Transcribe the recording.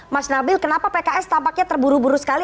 mas nabil kenapa pks tampaknya terburu buru sekali